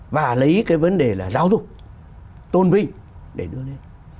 và lấy cái vấn đề là giáo dục tôn vinh để đưa lên